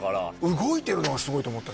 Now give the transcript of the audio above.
動いてるのはすごいと思った